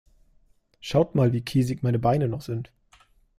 Schaut mal, wie käsig meine Beine noch sind.